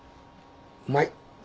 うまい。